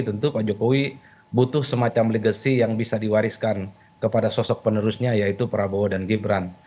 tentu pak jokowi butuh semacam legacy yang bisa diwariskan kepada sosok penerusnya yaitu prabowo dan gibran